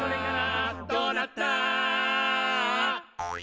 「どうなった？」